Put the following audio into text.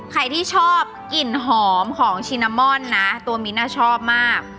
ใครที่ชอบกลิ่นหอมของชินามอนนะตัวมิ้นชอบมาก